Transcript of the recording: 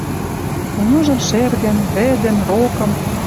Мӹнь ужым шӹргӹм, вӹдӹм, рокым.